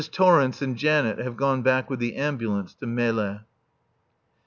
Torrence and Janet have gone back with the ambulance to Melle.